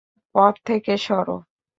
পথ থেকে সরো।